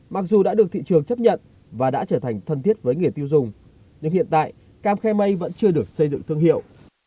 mặc dù đã được thị trường chấp nhận và đã trở thành thân thiết với người tiêu dùng nhưng hiện tại cam khe mây vẫn chưa được xây dựng thương hiệu